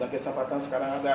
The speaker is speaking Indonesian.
dan kesempatan sekarang ada